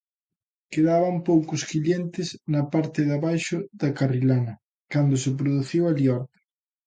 Quedaban poucos clientes na parte de abaixo da Carrilana cando se produciu a liorta.